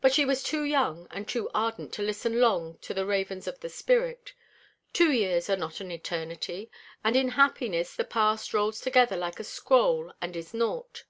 But she was too young and too ardent to listen long to the ravens of the spirit. Two years are not eternity, and in happiness the past rolls together like a scroll and is naught.